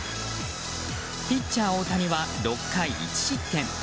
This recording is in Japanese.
ピッチャー大谷は６回１失点。